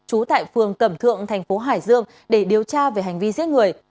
chú tại phường cẩm thượng tp hcm để điều tra về hành vi giết người